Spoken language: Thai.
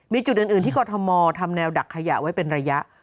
มีจุดอื่นที่กรทมทำแนวดักขยะไว้เป็นระยะ